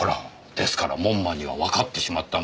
ですから門馬にはわかってしまったのですよ。